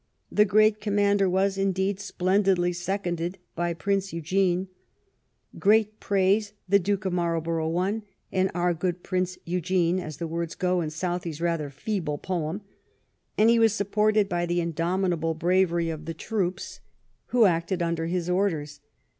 The great commander was, indeed, splendidly seconded by Prince Eugene —" Great praise the Duke of Marl borough won and our good Prince Eugene," as the words go in Southey's rather feeble poem — and he was supported by the indomitable bravery of the troops 119 THE REIGN OF QUEEN ANNE who acted under his orders.